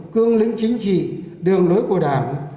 cương lính chính trị đường lối của đảng